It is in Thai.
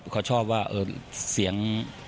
เขาชอบว่าเสียง